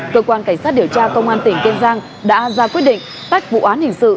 cơ quan cảnh sát điều tra công an tỉnh kiên giang đã ra quyết định tách vụ án hình sự